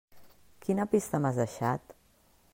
Quina pista m'has deixat?